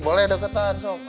boleh deketan sok